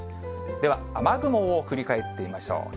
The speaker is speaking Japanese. では、雨雲を振り返ってみましょう。